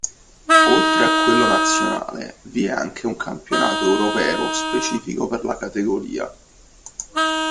Oltre a quello nazionale vi è anche un Campionato Europeo specifico per la categoria.